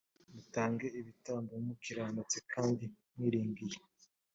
mutambe ibitambo mukiranutse kandi mwiringire